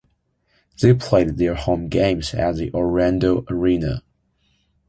They played their home games at the Orlando Arena.